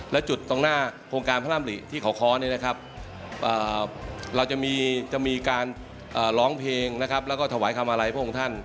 และจุดตรงหน้าโครงการพระร่ำหลีที่ขอขอเราจะมีการร้องเพลงและถวายความมาลัยพวกคุณท่าน